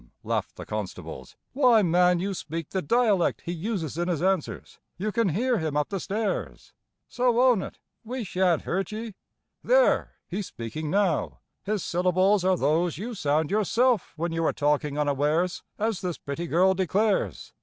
laughed the constables. "Why, man, you speak the dialect He uses in his answers; you can hear him up the stairs. So own it. We sha'n't hurt ye. There he's speaking now! His syllables Are those you sound yourself when you are talking unawares, As this pretty girl declares."